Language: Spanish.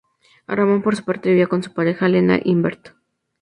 Ramón, por su parte, vivía con su pareja, Lena Imbert.